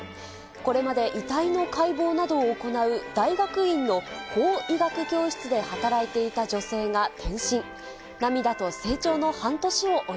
これまで遺体の解剖などを行う大学院の法医学教室で働いていた女性が転身。